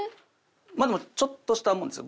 まあでもちょっとしたものですよ。